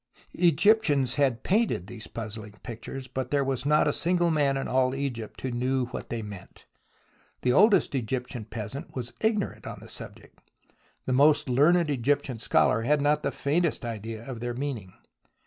Egyptians had painted these puzzling pictures, but there was not a single man in all Egypt who knew what they meant. The oldest Egyptian peasant was ignorant on the subject, the most learned Egyptian scholar had not the faintest idea of their meaning.